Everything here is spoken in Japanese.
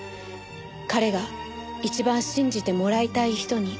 彼が一番信じてもらいたい人に。